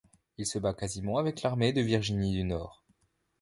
Il se bat quasiment avec l'armée de Virginie du Nord.